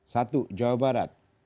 satu jawa barat